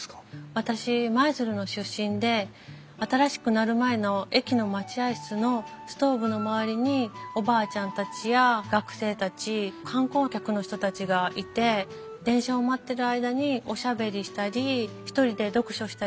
私舞鶴の出身で新しくなる前の駅の待合室のストーブの周りにおばあちゃんたちや学生たち観光客の人たちがいて電車を待ってる間におしゃべりしたり一人で読書したりするのがすごく印象に残ってたんです。